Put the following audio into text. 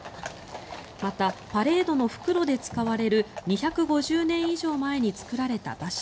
またパレードの復路で使われる２５０年以上前に作られた馬車